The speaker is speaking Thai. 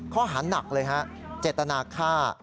ข้อหานักเลยฮะเจตนาฆ่า